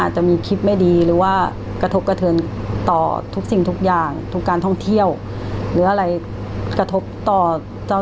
เหตุการณ์แบบนี้มีบ่อย